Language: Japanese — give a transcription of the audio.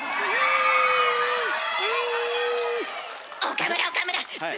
岡村岡村す